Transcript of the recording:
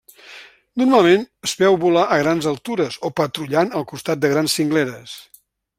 Normalment es veu volar a grans altures, o patrullant al costat de grans cingleres.